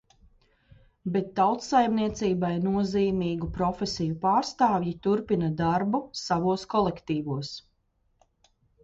Bet "tautsaimniecībai nozīmīgu" profesiju pārstāvji turpina darbu savos kolektīvos.